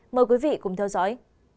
mời quý vị cùng theo dõi